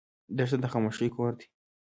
دښته د خاموشۍ کور دی.